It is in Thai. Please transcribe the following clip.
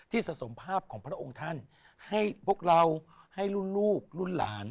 สะสมภาพของพระองค์ท่านให้พวกเราให้รุ่นลูกรุ่นหลาน